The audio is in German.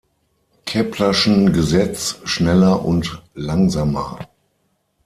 Keplerschen Gesetz schneller und langsamer.